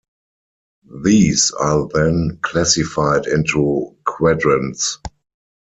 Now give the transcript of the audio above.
These are then classified into quadrants.